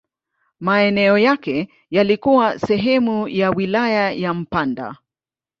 Maeneo yake yalikuwa sehemu ya wilaya ya Mpanda.